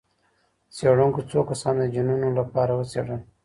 څېړونکو څو کسان د جینونو لپاره وڅېړل.